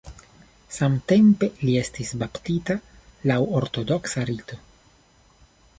Samtempe li estis baptita laŭ ortodoksa rito.